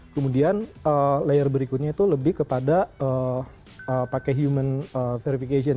kemudian layer berikutnya itu lebih kepada pakai human verification